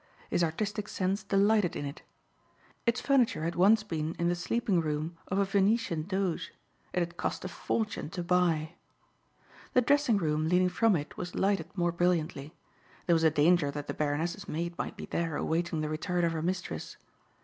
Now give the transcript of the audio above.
His artistic sense delighted in it. Its furniture had once been in the sleeping room of a Venetian Doge. It had cost a fortune to buy. The dressing room leading from it was lighted more brilliantly. There was a danger that the Baroness's maid might be there awaiting the return of her mistress.